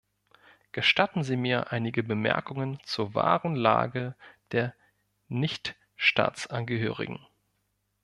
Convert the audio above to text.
Gestatten Sie mir einige Bemerkungen zur wahren Lage der Nichtstaatsangehörigen.